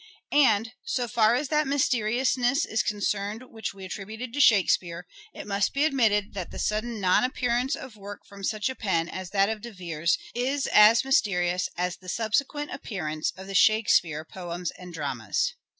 EDWARD DE VERE AS LYRIC POET 159 And, so far as that mysteriousness is concerned which we attributed to Shakespeare, it must be admitted that the sudden non appearance of work from such a pen as that of De Vere's is as mysterious as the subsequent appearance of the " Shakespeare " poems and dramas.